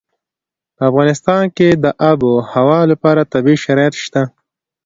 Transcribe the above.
په افغانستان کې د آب وهوا لپاره طبیعي شرایط شته.